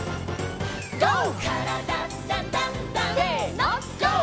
「からだダンダンダン」せのＧＯ！